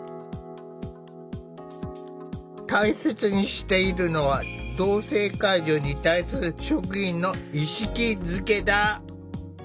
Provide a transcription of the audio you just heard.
大切にしているのは同性介助に対する職員の意識づけだ。